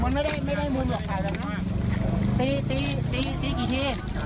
มันไม่ได้ไม่ได้มุมอยากถ่ายแบบนั้นตีตีตีกี่ที